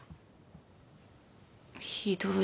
ひどい。